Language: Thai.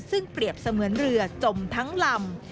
ซึ่งเปรียบเสมือนเรือจมทั้งลำ